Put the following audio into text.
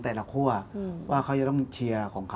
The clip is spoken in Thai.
ถ้าเราไปดูตามโลกโซเชียลนะ